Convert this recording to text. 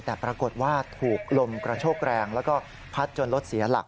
แต่ปรากฏว่าถูกลมกระโชกแรงแล้วก็พัดจนรถเสียหลัก